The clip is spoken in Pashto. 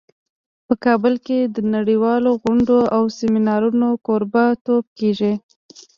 په کابل کې د نړیوالو غونډو او سیمینارونو کوربه توب کیږي